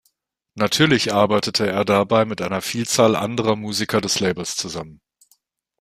Natürlich arbeitete er dabei mit einer Vielzahl anderer Musiker des Labels zusammen.